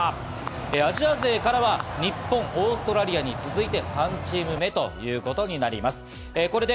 アジア勢からは日本、オーストラリアに続いて３チーム目ということになります。